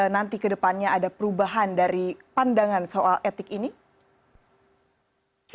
nanti kedepannya ada perubahan dari pandangan soal etik ini